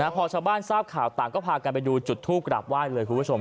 พอชาวบ้านทราบข่าวต่างก็พากันไปดูจุดทูปกราบไหว้เลยคุณผู้ชม